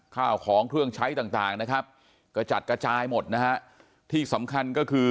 ข้าวของเครื่องใช้ต่างต่างนะครับกระจัดกระจายหมดนะฮะที่สำคัญก็คือ